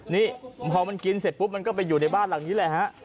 นี่พอมันกินเสร็จปุ๊บมันก็ไปอยู่ในบ้านหลังนี้แหละฮะ